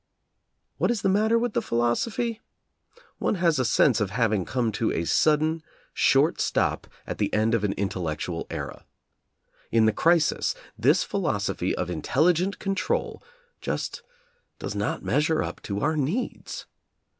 What is the matter with the philosophy? One has a sense of having come to a sudden, short stop at the end of an intellectual era. In the crisis, this philosophy of intelligent control just does not measure up to our needs.